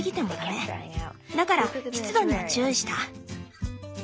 だから湿度には注意した。